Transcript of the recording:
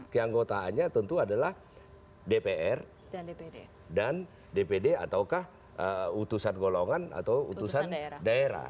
keanggotaannya tentu adalah dpr dan dpd ataukah utusan golongan atau utusan daerah